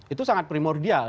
itu sangat primordial